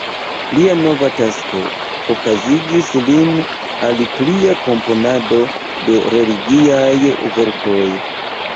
Lia nova tasko okazigis lin al plia komponado de religiaj verkoj.